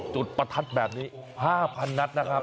ประทัดแบบนี้๕๐๐นัดนะครับ